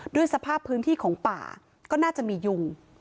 ด้วยสภาพพื้นที่ของป่าก็น่าจะมียุง